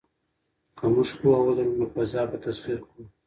که موږ پوهه ولرو نو فضا به تسخیر کړو.